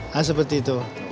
nah seperti itu